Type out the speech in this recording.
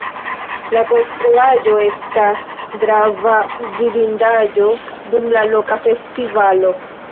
La konstruaĵo estas grava vidindaĵo dum la loka festivalo.